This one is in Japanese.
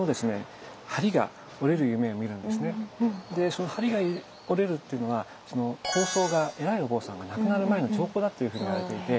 その梁が折れるっていうのは高僧が偉いお坊さんが亡くなる前の兆候だというふうにいわれていて